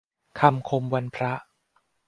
คำคมวันพระ